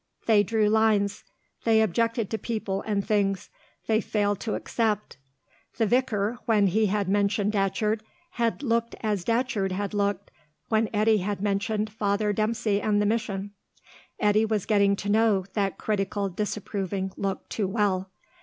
They drew lines; they objected to people and things; they failed to accept. The vicar, when he had mentioned Datcherd, had looked as Datcherd had looked when Eddy had mentioned Father Dempsey and the mission; Eddy was getting to know that critical, disapproving look too well.